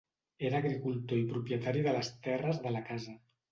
Era agricultor i propietari de les terres de la casa.